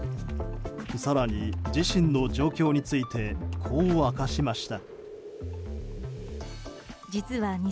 更に、自身の状況についてこう明かしました。